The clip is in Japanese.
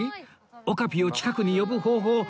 オカピを近くに呼ぶ方法